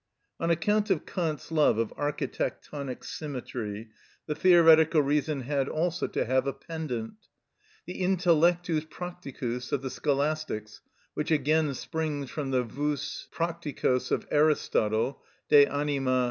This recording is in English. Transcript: On account of Kant's love of architectonic symmetry, the theoretical reason had also to have a pendant. The intellectus practicus of the Scholastics, which again springs from the νους πρακτικος of Aristotle (De Anima, iii.